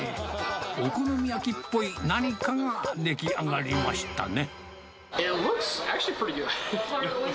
お好み焼きっぽい何かが出来上がりましたね。